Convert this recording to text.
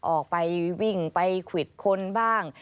ออกไปวิ่งไปควิดคนบ้าง